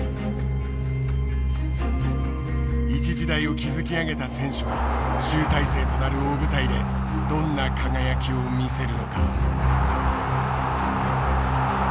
一時代を築き上げた選手は集大成となる大舞台でどんな輝きを見せるのか。